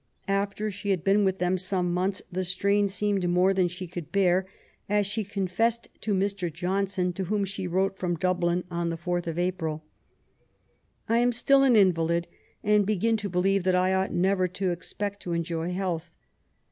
After she had been with them some months, the strain seemed more than she could bear^ as she confessed to Mr. Johnson^ to whom she wrote from Dublin on the 4th of April :— I am still an inyalid, and begin to belieye that I ought never to expect to enjoy health.